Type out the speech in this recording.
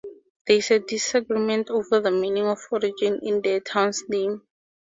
There is disagreement over the meaning and origin of the town's name.